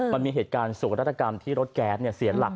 มันมีเหตุการณ์ส่วนรัฐกรรมที่รถแก๊สเนี่ยเสียหลับ